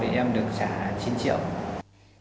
em được trả chín triệu